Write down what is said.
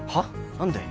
何で？